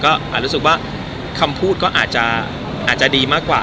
ก็อาจรู้สึกว่าคำพูดก็อาจจะดีมากกว่า